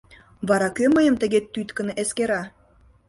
Вара кӧ мыйым тыге тӱткын эскера?